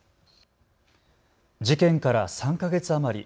事件から３か月余り。